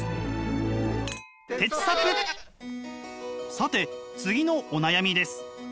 さて次のお悩みです。